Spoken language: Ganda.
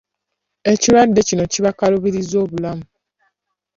Ekirwadde kino kibakaluubirizza obulamu.